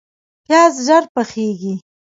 پیاز ژر پخیږي